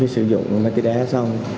sử dụng ma tùy đá xong